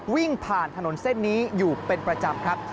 วิ่งผ่านถนนเส้นนี้อยู่เป็นประจำครับ